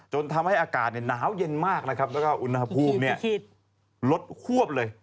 จนทำให้อากาศน้าวเย็นมากและอุณหภูมิลดควบเลย